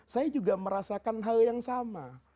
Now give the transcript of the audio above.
saya juga merasakan hal yang sama